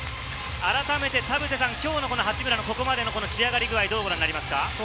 あらためて今日の八村のここまでの仕上がり具合、どうご覧になりますか？